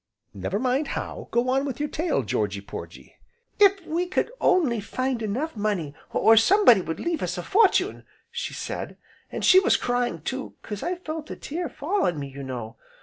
"Never mind how, go on with your tale, Georgy Porgy." "'If we could only find enough money, or somebody would leave us a fortune,' she said, an' she was crying too, 'cause I felt a tear fall on me, you know.